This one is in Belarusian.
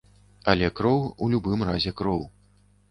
Але кроў у любым разе кроў.